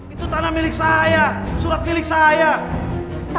ibu sedang sakit